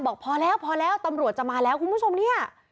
บอกพอแล้วตำรวจจะมาแล้วคุณผู้ชมนี่